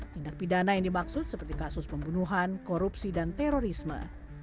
tindak pidana yang dimaksud seperti kasus pembunuhan korupsi dan terorisme